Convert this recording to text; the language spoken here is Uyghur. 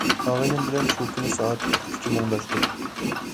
ئاغىنەم بىلەن شۇ كۈنى سائەت ئۈچكىچە مۇڭداشتۇق.